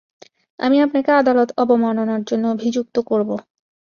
আমি আপনাকে আদালত অবমাননার জন্য অভিযুক্ত করব!